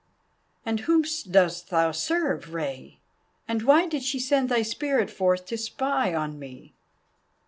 "And whom dost thou serve, Rei? And why did she send thy spirit forth to spy on me?"